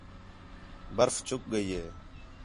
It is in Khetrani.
برف چُک ڳئی ہے